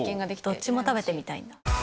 どっちも食べてみたいんだ。